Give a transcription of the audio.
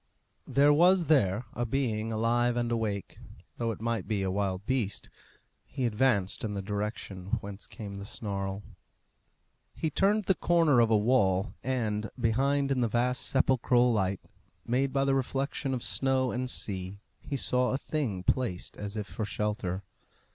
There was there a being alive and awake, though it might be a wild beast. He advanced in the direction whence came the snarl. He turned the corner of a wall, and, behind in the vast sepulchral light made by the reflection of snow and sea, he saw a thing placed as if for shelter.